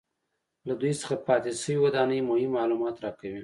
له دوی څخه پاتې شوې ودانۍ مهم معلومات راکوي